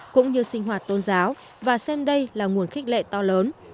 cũng như sinh hoạt tôn giáo và xem đây là nguồn khích lệ to lớn